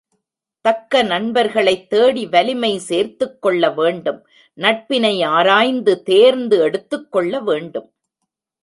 தக்க நண்பர்களைத் தேடி வலிமை சேர்த்துக்கொள்ள வேண்டும் நட்பினை ஆராய்ந்து தேர்ந்து எடுத்துக்கொள்ள வேண்டும்.